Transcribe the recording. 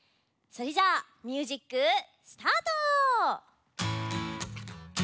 それじゃあミュージックスタート！